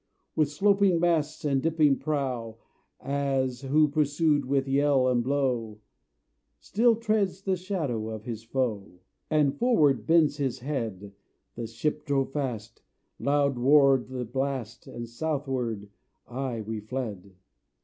With sloping masts and dipping prow, As who pursued with yell and blow Still treads the shadow of his foe, And forward bends his head, The ship drove fast, loud roared the blast, And southward aye we fled.